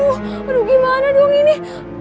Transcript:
aduh gimana dong ini